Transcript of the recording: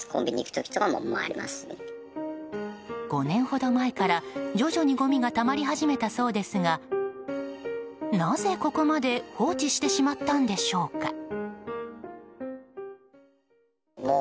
５年ほど前から徐々にゴミがたまり始めたそうですがなぜここまで放置してしまったんでしょうか。